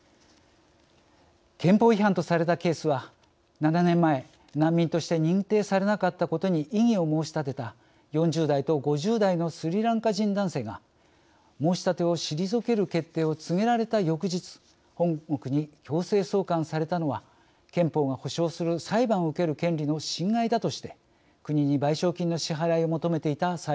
憲法違反とされたケースは７年前難民として認定されなかったことに異議を申し立てた４０代と５０代のスリランカ人男性が申し立てを退ける決定を告げられた翌日本国に強制送還されたのは憲法が保障する裁判を受ける権利の侵害だとして国に賠償金の支払いを求めていた裁判です。